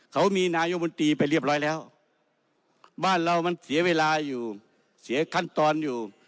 เขามีนายกบนตรีไปเรียบร้อยแล้วบ้านเรามันเสียเวลาอยู่เสียขั้นตอนอยู่